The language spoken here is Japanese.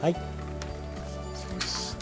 そして。